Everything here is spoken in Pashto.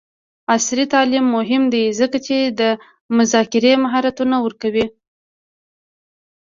عصري تعلیم مهم دی ځکه چې د مذاکرې مهارتونه ورکوي.